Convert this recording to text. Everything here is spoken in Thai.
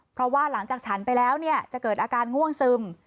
เพราะว่าหลังจากฉันไปแล้วเนี่ยจะเกิดอาการง่วงซึม